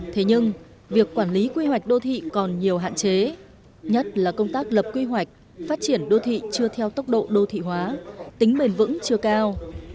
thế nhưng việc quản lý quy hoạch đô thị còn nhiều hạn chế nhất là công tác lập quy hoạch phát triển đô thị chưa theo tốc độ đô thị hóa tính bền vững chưa cao